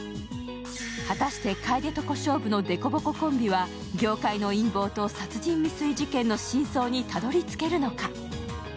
果たして楓と小勝負のデコボココンビは業界の陰謀と殺人未遂事件の真相にたどりつけるのか。